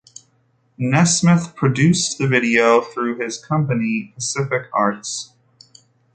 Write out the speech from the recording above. Nesmith produced the video through his company Pacific Arts.